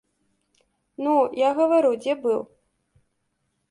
Ну, я гавару, дзе быў.